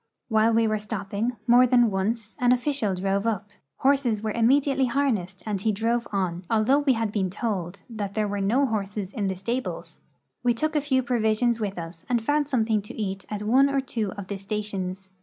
While we were stopping, more than once, an official drove up. Horses Avere immediately harnessed RUSSIA IN EUROPE 25 and he drove on, although we had been told that there were no horses in the stables. We took a few provisions with us and found something to eat at one or two of the stations.